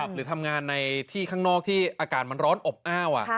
หรือทำงานในที่ข้างนอกที่อากาศมันร้อนอบอ้าว